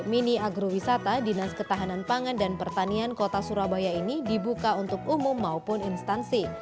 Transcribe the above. mini agrowisata dinas ketahanan pangan dan pertanian kota surabaya ini dibuka untuk umum maupun instansi